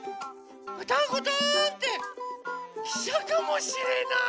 ガタンゴトーンってきしゃかもしれない！